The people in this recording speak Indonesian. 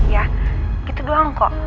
ya gitu doang kok